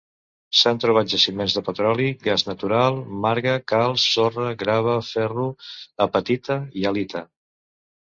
S'han trobat jaciments de petroli, gas natural, marga, calç, sorra, grava, ferro, apatita i halita.